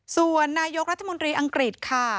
ส่วนนายกรัฐมนตรีอังกฤษค่ะ